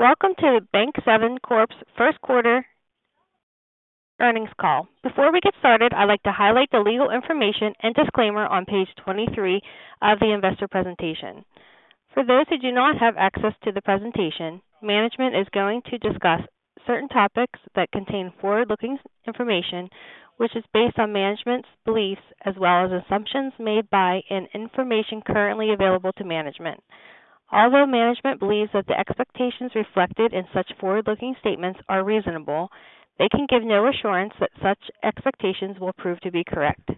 Welcome to Bank7 Corp's first quarter earnings call. Before we get started, I'd like to highlight the legal information and disclaimer on page 23 of the investor presentation. For those who do not have access to the presentation, management is going to discuss certain topics that contain forward-looking information, which is based on management's beliefs as well as assumptions made by and information currently available to management. Although management believes that the expectations reflected in such forward-looking statements are reasonable, they can give no assurance that such expectations will prove to be correct.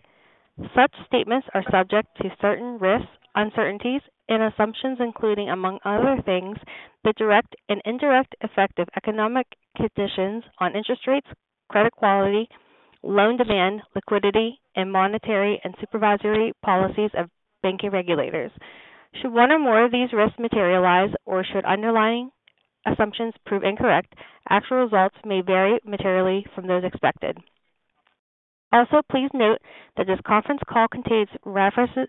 Such statements are subject to certain risks, uncertainties, and assumptions, including, among other things, the direct and indirect effect of economic conditions on interest rates, credit quality, loan demand, liquidity, and monetary and supervisory policies of banking regulators. Should one or more of these risks materialize or should underlying assumptions prove incorrect, actual results may vary materially from those expected. Also, please note that this conference call contains references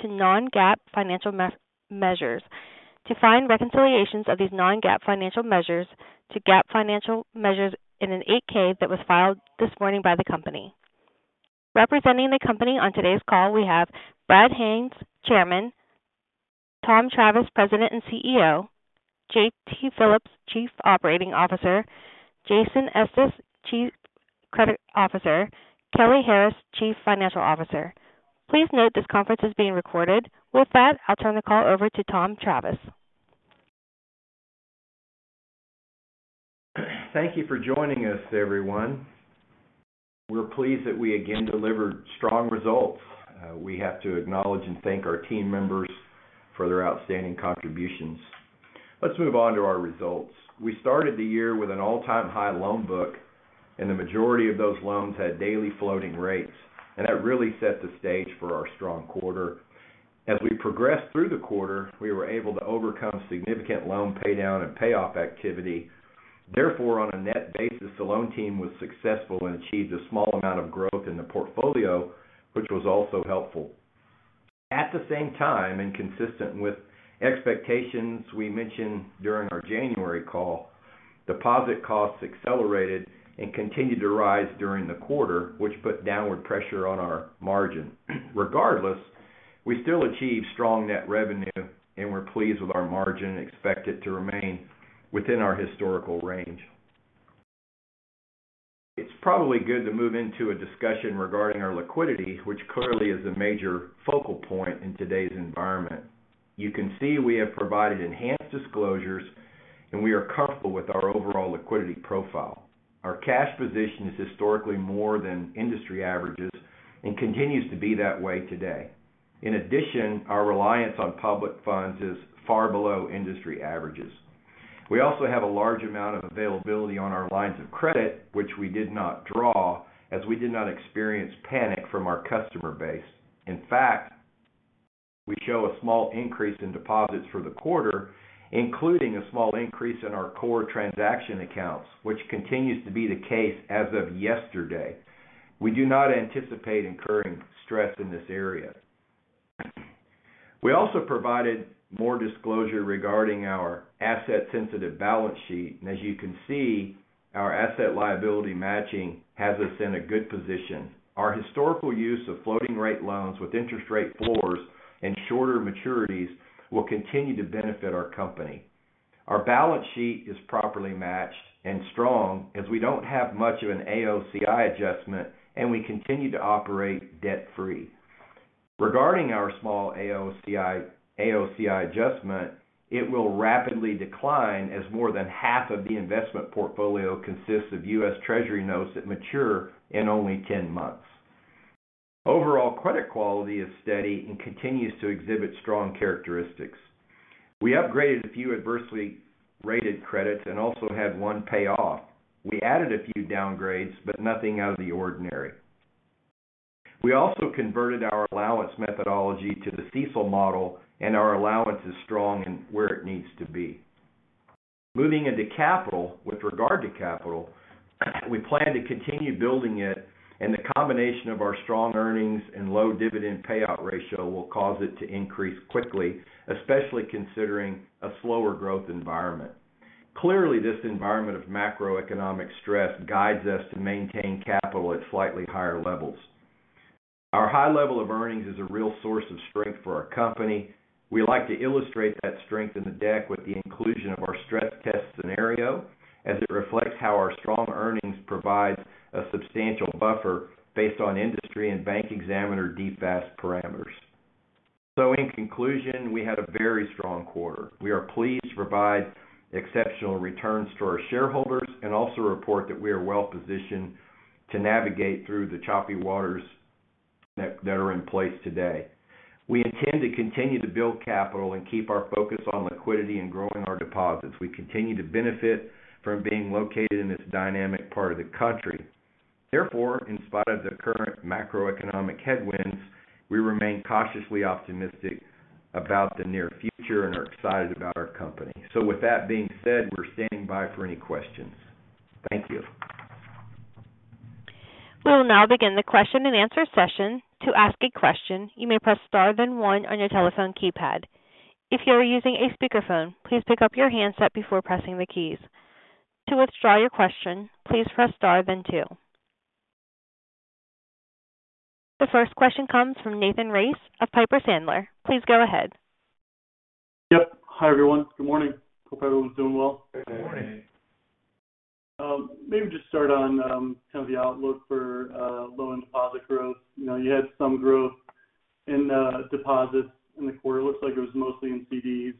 to non-GAAP financial measures. To find reconciliations of these non-GAAP financial measures to GAAP financial measures in an 8-K that was filed this morning by the company. Representing the company on today's call, we have Brad Haines, Chairman, Tom Travis, President and CEO, J.T. Phillips, Chief Operating Officer, Jason Estes, Chief Credit Officer, Kelly Harris, Chief Financial Officer. Please note this conference is being recorded. With that, I'll turn the call over to Tom Travis. Thank you for joining us, everyone. We're pleased that we again delivered strong results. We have to acknowledge and thank our team members for their outstanding contributions. Let's move on to our results. We started the year with an all-time high loan book, and the majority of those loans had daily floating rates, and that really set the stage for our strong quarter. As we progressed through the quarter, we were able to overcome significant loan paydown and payoff activity. Therefore, on a net basis, the loan team was successful and achieved a small amount of growth in the portfolio, which was also helpful. At the same time, and consistent with expectations we mentioned during our January call, deposit costs accelerated and continued to rise during the quarter, which put downward pressure on our margin. Regardless, we still achieved strong net revenue, and we're pleased with our margin and expect it to remain within our historical range. It's probably good to move into a discussion regarding our liquidity, which clearly is a major focal point in today's environment. You can see we have provided enhanced disclosures, and we are comfortable with our overall liquidity profile. Our cash position is historically more than industry averages and continues to be that way today. In addition, our reliance on public funds is far below industry averages. We also have a large amount of availability on our lines of credit, which we did not draw as we did not experience panic from our customer base. In fact, we show a small increase in deposits for the quarter, including a small increase in our core transaction accounts, which continues to be the case as of yesterday. We do not anticipate incurring stress in this area. We also provided more disclosure regarding our asset-sensitive balance sheet, as you can see, our asset liability matching has us in a good position. Our historical use of floating-rate loans with interest rate floors and shorter maturities will continue to benefit our company. Our balance sheet is properly matched and strong as we don't have much of an AOCI adjustment. We continue to operate debt-free. Regarding our small AOCI adjustment, it will rapidly decline as more than half of the investment portfolio consists of U.S. Treasury notes that mature in only 10 months. Overall credit quality is steady and continues to exhibit strong characteristics. We upgraded a few adversely rated credits and also had one payoff. We added a few downgrades, nothing out of the ordinary. We also converted our allowance methodology to the CECL model, and our allowance is strong and where it needs to be. Moving into capital. With regard to capital, we plan to continue building it, and the combination of our strong earnings and low dividend payout ratio will cause it to increase quickly, especially considering a slower growth environment. Clearly, this environment of macroeconomic stress guides us to maintain capital at slightly higher levels. Our high level of earnings is a real source of strength for our company. We like to illustrate that strength in the deck with the inclusion of our stress test scenario, as it reflects how our strong earnings provides a substantial buffer based on industry and bank examiner DFAST parameters. In conclusion, we had a very strong quarter. We are pleased to provide exceptional returns to our shareholders and also report that we are well-positioned to navigate through the choppy waters that are in place today. We intend to continue to build capital and keep our focus on liquidity and growing our deposits. We continue to benefit from being located in this dynamic part of the country. Therefore, in spite of the current macroeconomic headwinds, we remain cautiously optimistic about the near future and are excited about our company. With that being said, we're standing by for any questions. Thank you. We will now begin the question-and-answer session. To ask a question, you may press star then one on your telephone keypad. If you are using a speakerphone, please pick up your handset before pressing the keys. To withdraw your question, please press star then two. The first question comes from Nathan Race of Piper Sandler. Please go ahead. Yep. Hi, everyone. Good morning. Hope everyone's doing well. Good morning. Maybe just start on kind of the outlook for loan deposit growth. You know, you had some growth in deposits in the quarter. Looks like it was mostly in CDs.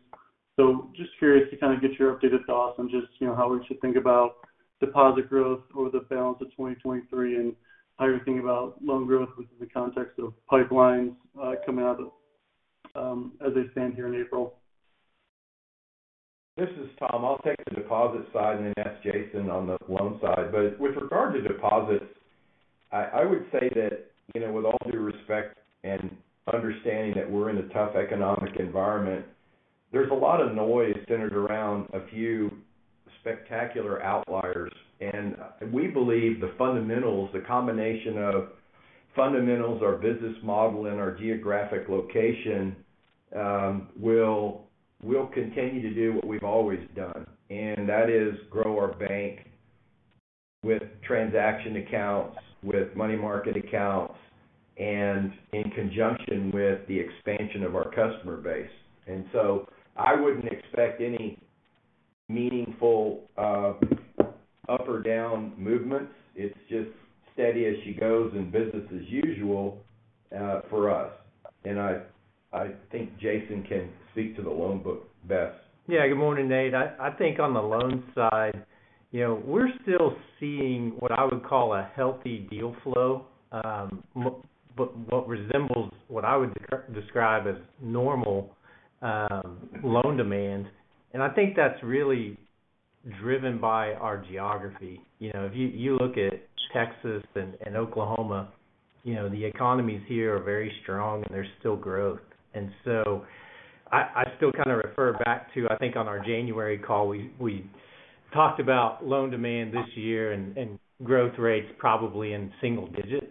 Just curious to kind of get your updated thoughts on just, you know, how we should think about deposit growth over the balance of 2023 and how you're thinking about loan growth within the context of pipelines coming out of as they stand here in April. This is Tom. I'll take the deposit side and then ask Jason on the loan side. With regard to deposits, I would say that, you know, with all due respect and understanding that we're in a tough economic environment, there's a lot of noise centered around a few spectacular outliers. We believe the fundamentals, the combination of fundamentals, our business model, and our geographic location, will continue to do what we've always done, and that is grow our bank with transaction accounts, with money market accounts, and in conjunction with the expansion of our customer base. I wouldn't expect any meaningful up or down movements. It's just steady as she goes and business as usual for us. I think Jason can speak to the loan book best. Good morning, Nate. I think on the loan side, you know, we're still seeing what I would call a healthy deal flow, what resembles what I would describe as normal loan demand. I think that's really driven by our geography. You know, if you look at Texas and Oklahoma, you know, the economies here are very strong and there's still growth. I still kind of refer back to, I think on our January call, we talked about loan demand this year and growth rates probably in single digits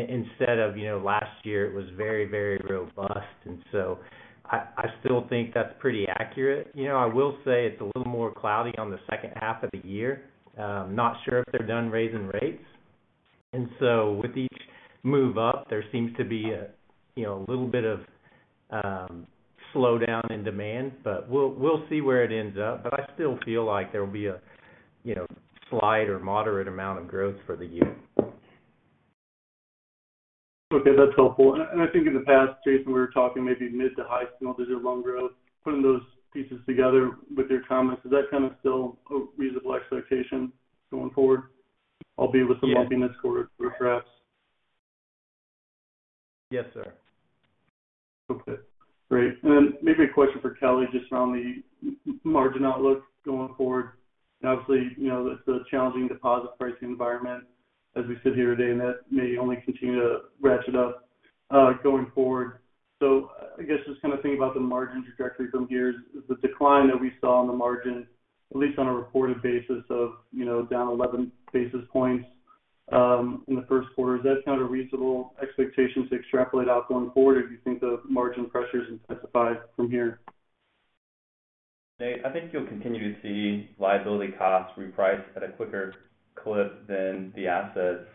instead of, you know, last year it was very, very robust. I still think that's pretty accurate. You know, I will say it's a little more cloudy on the second half of the year. Not sure if they're done raising rates. With each move up, there seems to be a, you know, a little bit of slowdown in demand, but we'll see where it ends up. I still feel like there will be a, you know, slight or moderate amount of growth for the year. Okay, that's helpful. I think in the past, Jason, we were talking maybe mid to high single digit loan growth. Putting those pieces together with your comments, is that kind of still a reasonable expectation going forward, albeit with some lumpiness quarter-over-quarter? Yes, sir. Okay, great. Maybe a question for Kelly just around the margin outlook going forward. Obviously, you know, it's a challenging deposit pricing environment as we sit here today, and that may only continue to ratchet up going forward. I guess just kind of thinking about the margin trajectory from here, the decline that we saw on the margin, at least on a reported basis of, you know, down 11 basis points in the first quarter, is that kind of a reasonable expectation to extrapolate out going forward? Do you think the margin pressures intensify from here? Nate, I think you'll continue to see liability costs reprice at a quicker clip than the assets.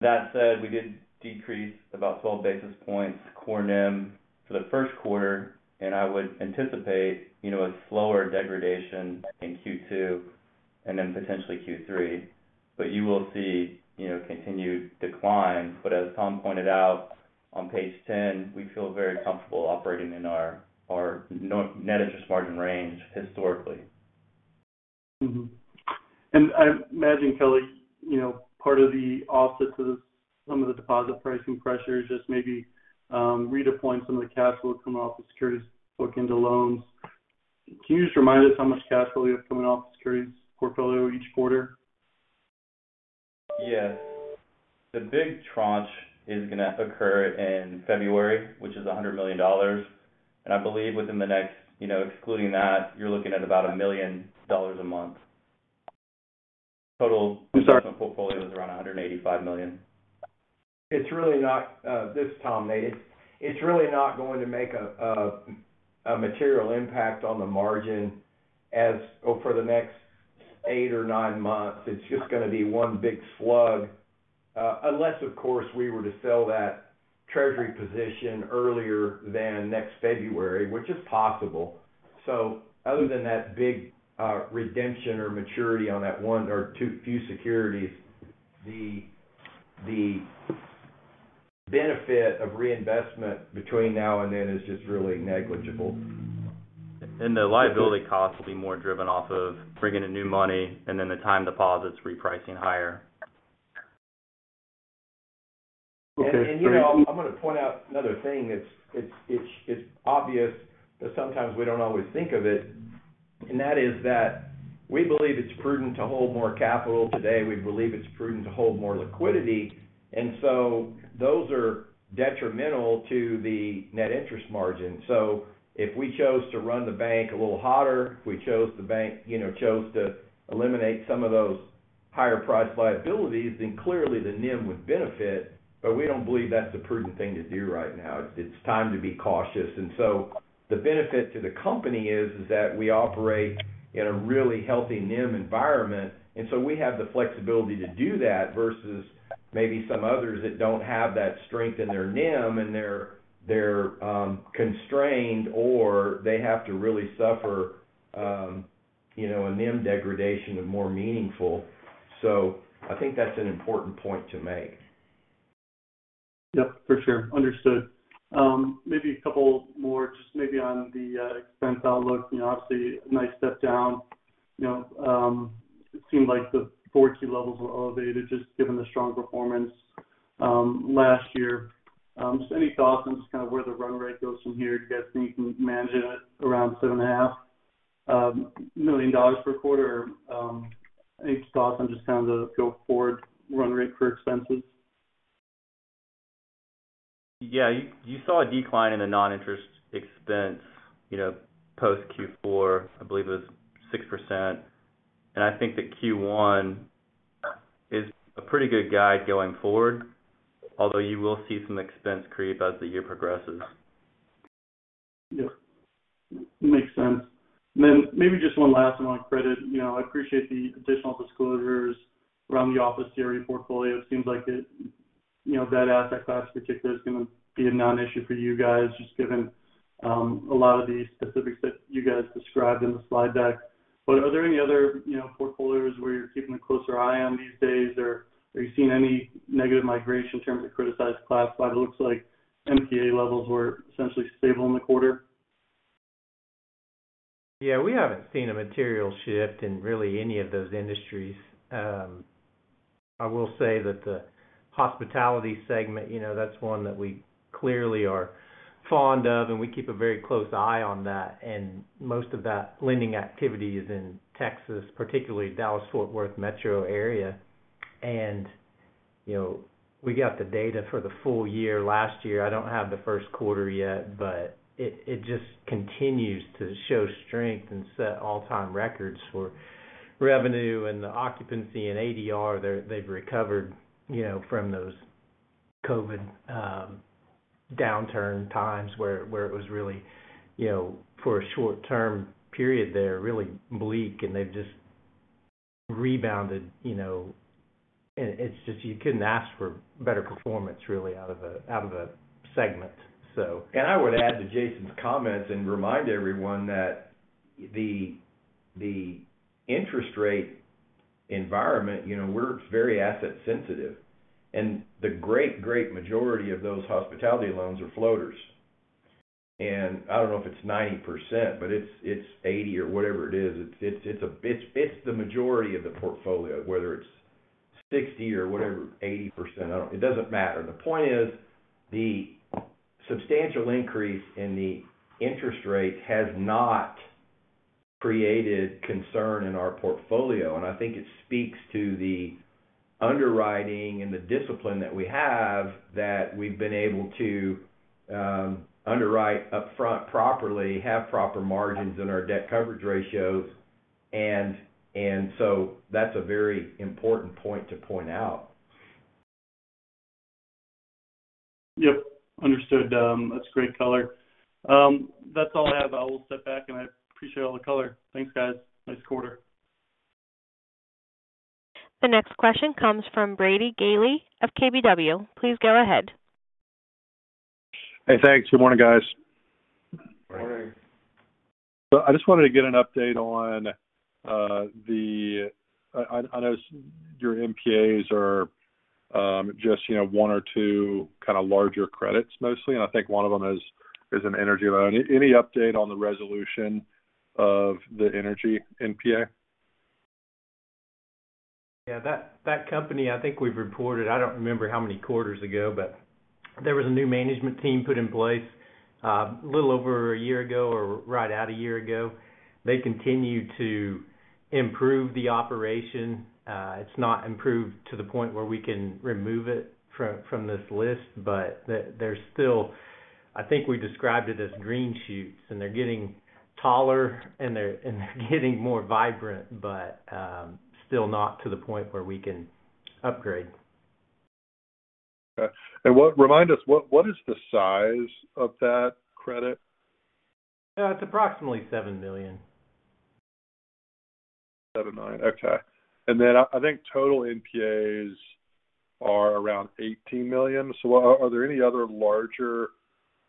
That said, we did decrease about 12 basis points core NIM for the first quarter, and I would anticipate, you know, a slower degradation in Q2 and then potentially Q3. You will see, you know, continued decline. As Tom pointed out on page 10, we feel very comfortable operating in our no-net interest margin range historically. I imagine, Kelly, you know, part of the offset to some of the deposit pricing pressures, just maybe, redeploying some of the cash flow coming off the securities book into loans. Can you just remind us how much cash flow you have coming off the securities portfolio each quarter? Yeah. The big tranche is going to occur in February, which is $100 million. I believe within the next, you know, excluding that, you're looking at about $1 million a month. Total. I'm sorry. portfolio is around $185 million. It's really not, this is Tom Travis, Nathan Race. It's really not going to make a material impact on the margin for the next eight or nine months. It's just gonna be one big slug. Unless, of course, we were to sell that U.S. Treasury position earlier than next February, which is possible. Other than that big redemption or maturity on that one or two few securities, the benefit of reinvestment between now and then is just really negligible. The liability costs will be more driven off of bringing in new money and then the time deposits repricing higher. Okay. You know, I'm gonna point out another thing. It's obvious, but sometimes we don't always think of it, that is that we believe it's prudent to hold more capital today. We believe it's prudent to hold more liquidity. Those are detrimental to the net interest margin. If we chose to run the Bank7 a little hotter, if we chose to eliminate some of those higher price liabilities, then clearly the NIM would benefit. We don't believe that's the prudent thing to do right now. It's time to be cautious. The benefit to the company is that we operate in a really healthy NIM environment, we have the flexibility to do that versus maybe some others that don't have that strength in their NIM and they're constrained or they have to really suffer, you know, a NIM degradation of more meaningful. I think that's an important point to make. Yep, for sure. Understood. maybe a couple more just maybe on the expense outlook. You know, obviously a nice step down. You know, it seemed like the four key levels were elevated just given the strong performance last year. Any thoughts on just kind of where the run rate goes from here? Do you guys think you can manage it at around $7.5 million per quarter? Any thoughts on just kind of the go-forward run rate for expenses? Yeah. You saw a decline in the non-interest expense, you know, post Q4, I believe it was 6%. I think that Q1 is a pretty good guide going forward, although you will see some expense creep as the year progresses. Yeah. Makes sense. Maybe just one last one on credit. You know, I appreciate the additional disclosures around the office CRE portfolio. It seems like it, you know, that asset class in particular is gonna be a non-issue for you guys, just given a lot of the specifics that you guys described in the slide deck. Are there any other, you know, portfolios where you're keeping a closer eye on these days? Are you seeing any negative migration in terms of credit size classified? It looks like NPA levels were essentially stable in the quarter. Yeah. We haven't seen a material shift in really any of those industries. I will say that the hospitality segment, you know, that's one that we clearly are fond of, and we keep a very close eye on that. Most of that lending activity is in Texas, particularly Dallas-Fort Worth metro area. You know, we got the data for the full year last year. I don't have the first quarter yet, but it just continues to show strength and set all-time records for revenue and the occupancy and ADR. They've recovered, you know, from those COVID downturn times where it was really, you know, for a short-term period there, really bleak and they've just rebounded, you know. It's just, you couldn't ask for better performance really out of a, out of a segment. I would add to Jason's comments and remind everyone that the interest rate environment, you know, we're very asset sensitive. The great majority of those hospitality loans are floaters. I don't know if it's 90%, but it's 80 or whatever it is. It's, it's the majority of the portfolio, whether it's 60 or whatever, 80%. I don't. It doesn't matter. The point is, the substantial increase in the interest rate has not created concern in our portfolio. I think it speaks to the underwriting and the discipline that we have, that we've been able to underwrite upfront properly, have proper margins in our debt coverage ratios and so that's a very important point to point out. Yep. Understood. That's great color. That's all I have. I will step back, and I appreciate all the color. Thanks, guys. Nice quarter. The next question comes from Brady Gailey of KBW. Please go ahead. Hey, thanks. Good morning, guys. Morning. Morning. I just wanted to get an update on, I know your NPAs are, just, you know, one or two kinda larger credits mostly, and I think one of them is an energy loan. Any update on the resolution of the energy NPA? Yeah, that company, I think we've reported, I don't remember how many quarters ago, but there was a new management team put in place, a little over a year ago or right at a year ago. They continue to improve the operation. It's not improved to the point where we can remove it from this list, but there's still, I think we described it as green shoots, and they're getting taller and they're getting more vibrant, but still not to the point where we can upgrade. Okay. Remind us, what is the size of that credit? it's approximately $7 million. 79. Okay. I think total NPAs are around $18 million. Are there any other larger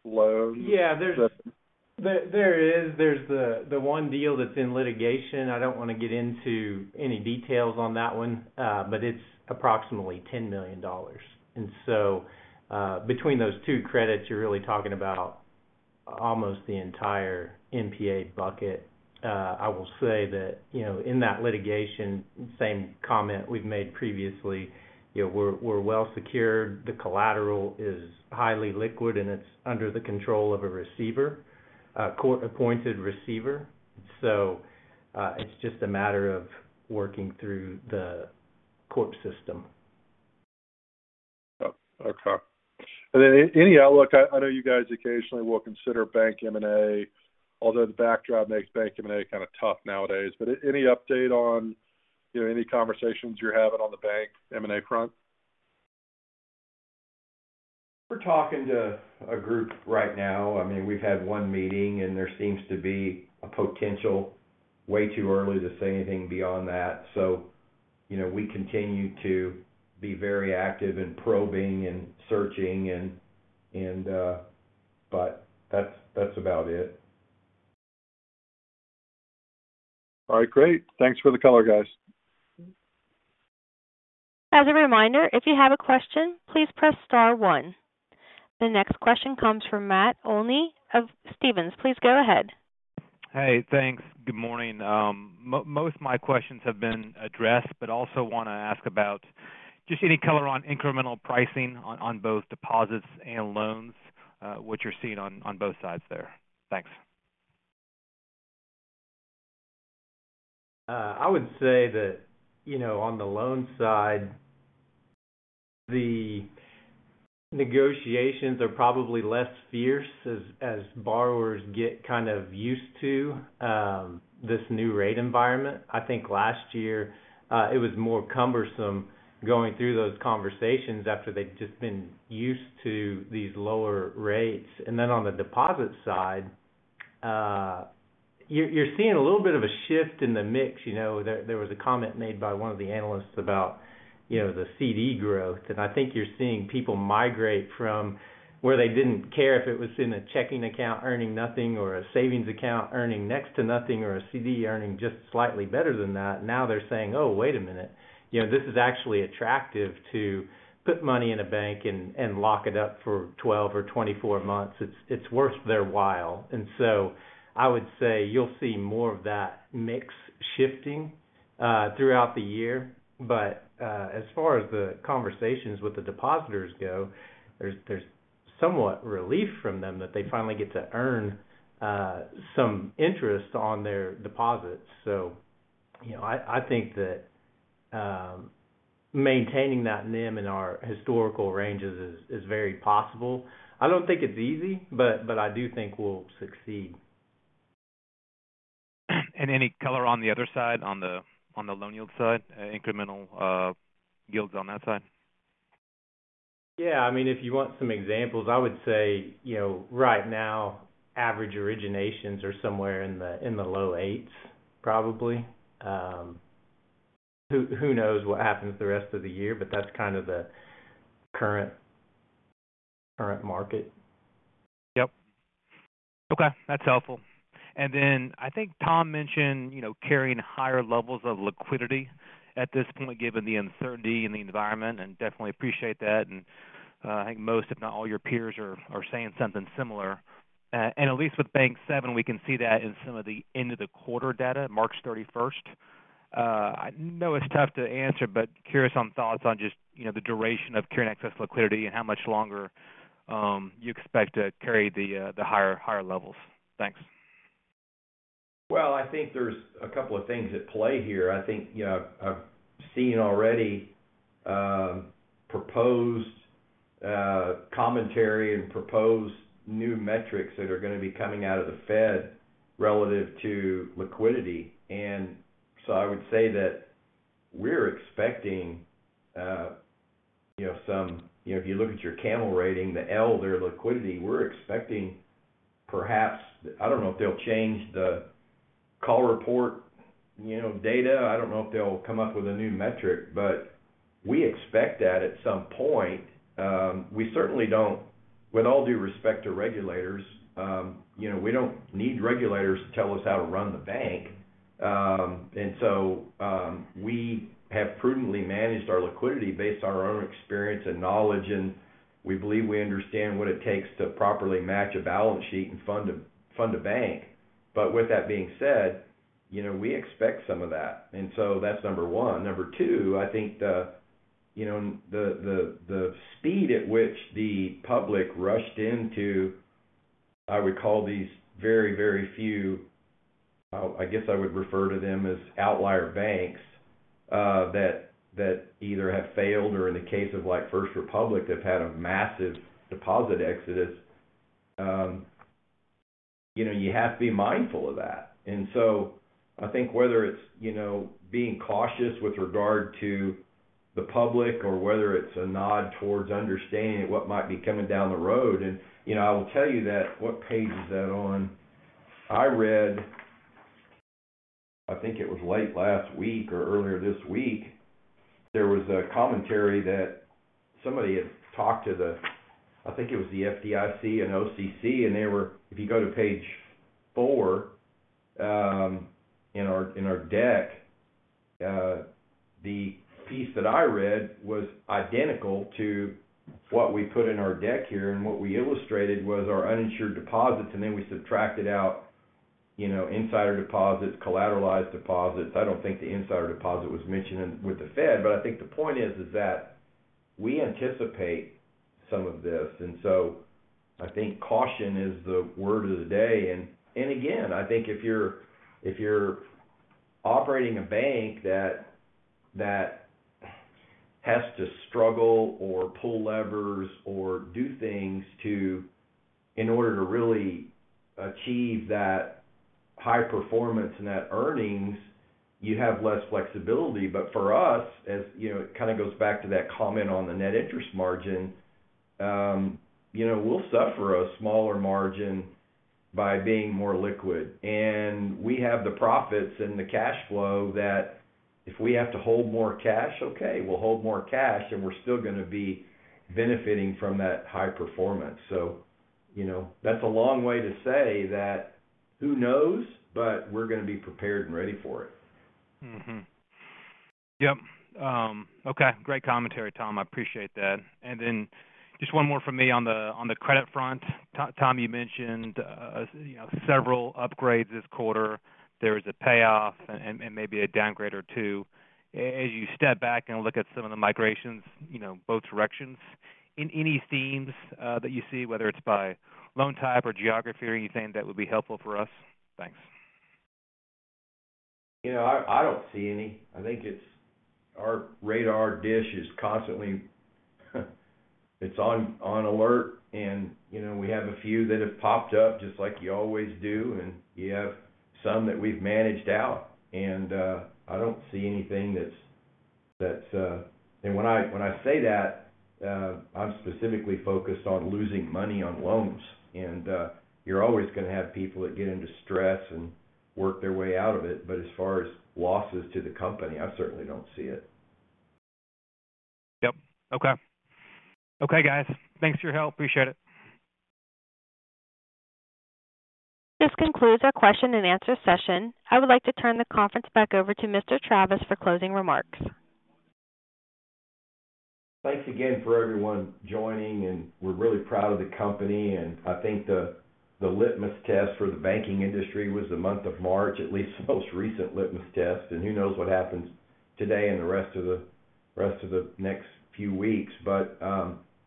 loans that? Yeah. There, there is. There's the one deal that's in litigation. I don't wanna get into any details on that one, but it's approximately $10 million. Between those two credits, you're really talking about almost the entire NPA bucket. I will say that, you know, in that litigation, same comment we've made previously, you know, we're well secured. The collateral is highly liquid, and it's under the control of a receiver, a court-appointed receiver. It's just a matter of working through the court system. Okay. Then any outlook, I know you guys occasionally will consider bank M&A, although the backdrop makes bank M&A kind of tough nowadays, any update on, you know, any conversations you're having on the bank M&A front? We're talking to a group right now. I mean, we've had one meeting, and there seems to be a potential. Way too early to say anything beyond that. you know, we continue to be very active in probing and searching and... that's about it. All right, great. Thanks for the color, guys. As a reminder, if you have a question, please press star one. The next question comes from Matt Olney of Stephens. Please go ahead. Hey, thanks. Good morning. Most of my questions have been addressed. Also wanna ask about just any color on incremental pricing on both deposits and loans, what you're seeing on both sides there. Thanks. I would say that, you know, on the loan side, the negotiations are probably less fierce as borrowers get kind of used to, this new rate environment. I think last year, it was more cumbersome going through those conversations after they'd just been used to these lower rates. On the deposit side, you're seeing a little bit of a shift in the mix. You know, there was a comment made by one of the analysts about, you know, the CD growth, and I think you're seeing people migrate from where they didn't care if it was in a checking account earning nothing or a savings account earning next to nothing or a CD earning just slightly better than that. Now they're saying, "Oh, wait a minute. You know, this is actually attractive to put money in a bank and lock it up for 12 or 24 months. It's worth their while. I would say you'll see more of that mix shifting throughout the year. As far as the conversations with the depositors go, there's somewhat relief from them that they finally get to earn some interest on their deposits. You know, I think that maintaining that NIM in our historical ranges is very possible. I don't think it's easy, but I do think we'll succeed. Any color on the other side, on the loan yield side, incremental, yields on that side? Yeah. I mean, if you want some examples, I would say, you know, right now, average originations are somewhere in the low eights probably. Who knows what happens the rest of the year, but that's kind of the current market. Yep. Okay, that's helpful. I think Tom mentioned, you know, carrying higher levels of liquidity at this point given the uncertainty in the environment. Definitely appreciate that. I think most, if not all, your peers are saying something similar. At least with Bank7, we can see that in some of the end of the quarter data, March thirty-first. I know it's tough to answer, curious on thoughts on just, you know, the duration of carrying excess liquidity and how much longer you expect to carry the higher levels. Thanks. I think there's a couple of things at play here. I think, you know, I've seen already, proposed commentary and proposed new metrics that are gonna be coming out of the Fed relative to liquidity. I would say that we're expecting, you know, if you look at your CAMEL rating, the L, their liquidity, we're expecting I don't know if they'll change the Call Report, you know, data. I don't know if they'll come up with a new metric, but we expect that at some point. We certainly don't With all due respect to regulators, you know, we don't need regulators to tell us how to run the bank. We have prudently managed our liquidity based on our own experience and knowledge, and we believe we understand what it takes to properly match a balance sheet and fund a bank. With that being said, you know, we expect some of that. That's number one. Number two, I think the, you know, the speed at which the public rushed into, I would call these very, very few, I guess I would refer to them as outlier banks, that either have failed or in the case of like First Republic, have had a massive deposit exodus. You know, you have to be mindful of that. I think whether it's, you know, being cautious with regard to the public or whether it's a nod towards understanding what might be coming down the road. You know, I will tell you that, what page is that on? I read, I think it was late last week or earlier this week, there was a commentary that somebody had talked to the, I think it was the FDIC and OCC. If you go to page four in our deck, the piece that I read was identical to what we put in our deck here, and what we illustrated was our uninsured deposits, and then we subtracted out, you know, insider deposits, collateralized deposits. I don't think the insider deposit was mentioned in with the Fed, but I think the point is that we anticipate some of this. I think caution is the word of the day. Again, I think if you're operating a bank that has to struggle or pull levers or do things to in order to really achieve that high performance net earnings, you have less flexibility. For us, as you know, it kind of goes back to that comment on the net interest margin. You know, we'll suffer a smaller margin by being more liquid. We have the profits and the cash flow that if we have to hold more cash, okay, we'll hold more cash, and we're still going to be benefiting from that high performance. You know, that's a long way to say that who knows? We're going to be prepared and ready for it. Okay. Great commentary, Tom. I appreciate that. Just one more from me on the credit front. Tom, you mentioned, you know, several upgrades this quarter. There was a payoff and maybe a downgrade or two. As you step back and look at some of the migrations, you know, both directions, any themes that you see, whether it's by loan type or geography or anything that would be helpful for us? Thanks. You know, I don't see any. I think it's our radar dish is constantly it's on alert, and, you know, we have a few that have popped up just like you always do, and you have some that we've managed out. I don't see anything that's... When I say that, I'm specifically focused on losing money on loans. You're always going to have people that get into stress and work their way out of it. As far as losses to the company, I certainly don't see it. Yep. Okay. Okay, guys. Thanks for your help. Appreciate it. This concludes our question-and-answer session. I would like to turn the conference back over to Mr. Travis for closing remarks. Thanks again for everyone joining. We're really proud of the company, and I think the litmus test for the banking industry was the month of March, at least the most recent litmus test. Who knows what happens today and the rest of the next few weeks.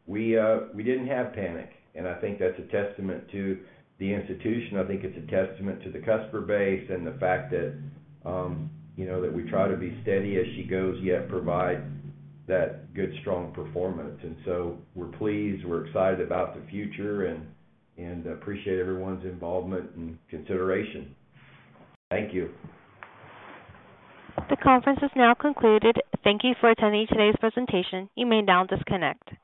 We didn't have panic, and I think that's a testament to the institution. I think it's a testament to the customer base and the fact that, you know, that we try to be steady as she goes, yet provide that good, strong performance. We're pleased, we're excited about the future and appreciate everyone's involvement and consideration. Thank you. The conference is now concluded. Thank you for attending today's presentation. You may now disconnect.